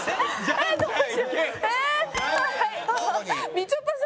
みちょぱさん